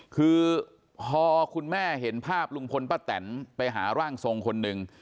คือพอคุณแม่เห็นภาพลุงพลป้าแตนไปหาร่างทรงคนหนึ่ง